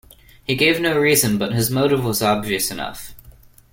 He gave no reason, but his motive was obvious enough.